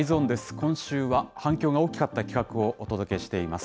今週は反響が大きかった企画をお届けしています。